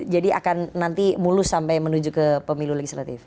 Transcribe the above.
akan nanti mulus sampai menuju ke pemilu legislatif